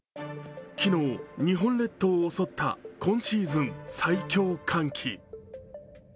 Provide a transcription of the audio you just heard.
昨日、日本列島を襲った今シーズン最強寒気。